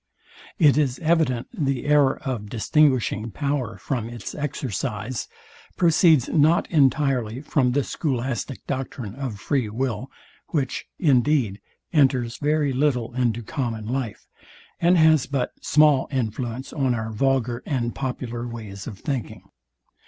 It is evident the error of distinguishing power from its exercise proceeds not entirely from the scholastic doctrine of free will, which, indeed, enters very little into common life, and has but small influence on our vulgar and popular ways of thinking.